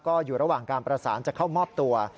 ก็อยู่ระหว่างการประสานจะเข้ามอบตัว